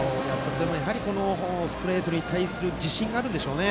でもストレートに対する自信があるんでしょうね。